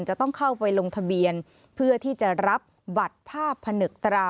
จะต้องเข้าไปลงทะเบียนเพื่อที่จะรับบัตรภาพผนึกตรา